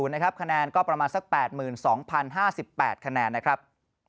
นะครับคะแนนก็ประมาณสัก๘๒๐๕๘คะแนนนะครับ